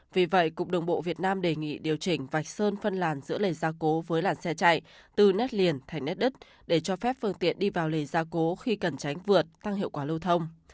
vì vậy cục đồng bộ việt nam đề nghị điều chỉnh vạch sơn phân làn giữa lề gia cố với làn xe chạy từ nét liền thành nét đất để cho phép phương tiện đi vào lề gia cố khi cần tránh vượt tăng hiệu quả lưu thông